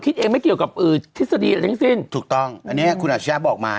คิดเองไม่เกี่ยวกับทฤษฎีอะไรทั้งสิ้นถูกต้องอันนี้คุณอาชญาบอกมา